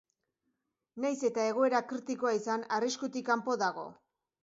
Nahiz eta egoera kritikoa izan, arriskutik kanpo dago.